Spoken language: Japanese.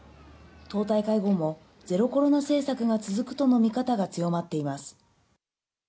党大会後も、ゼロコロナ政策が続くとの見方が強まっています。